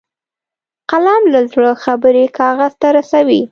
قلم له زړه خبرې کاغذ ته رسوي